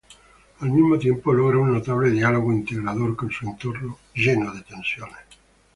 Al mismo tiempo, logra un notable diálogo integrador con su entorno, lleno de tensiones.